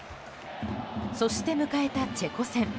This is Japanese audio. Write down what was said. そして迎えたチェコ戦。